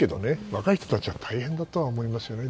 若い人たちは大変だと思いますよね。